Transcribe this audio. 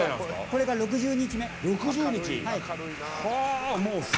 これが６０日目。